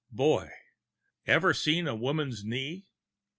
Boy! Ever see a woman's knee?"